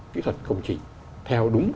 kỹ thuật công trình theo đúng